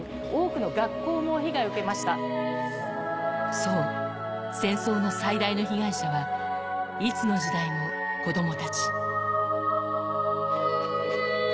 そう、戦争の最大の被害者はいつの時代も子供たち。